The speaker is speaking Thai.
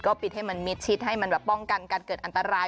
ปิดให้มันมิดชิดให้มันแบบป้องกันการเกิดอันตราย